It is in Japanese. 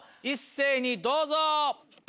一斉にどうぞ！